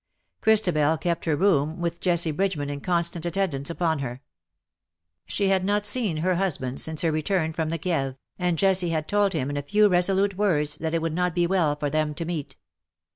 Christabel kept her room, with Jessie Bridgeman in constant attendance upon her. She had not seen her husband since 76 "dust to dust." her return from the Kieve, and Jessie had told him in a few resolute words that it would not be well for them to meet.